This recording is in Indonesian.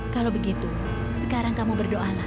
kalau begitu sekarang kamu berdoalah